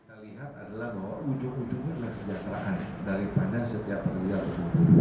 ujung ujungnya adalah kesejahteraan daripada setiap pekerja berburu buru